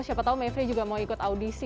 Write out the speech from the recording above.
siapa tahu mevri juga mau ikut audisi